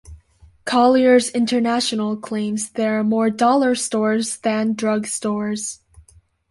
Colliers International claims there are more dollar stores than drug stores.